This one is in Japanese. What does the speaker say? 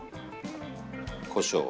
こしょう。